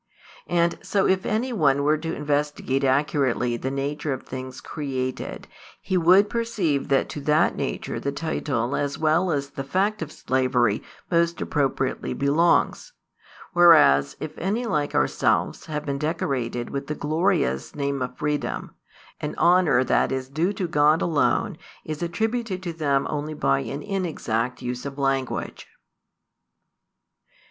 And so if any one were to investigate accurately the nature of things created, he would perceive that to that nature the title as well as the fact of slavery most appropriately belongs; whereas if any like ourselves have been decorated with the glorious name of freedom, an honour that is due to |276 God alone is attributed to them only by an inexact use of language.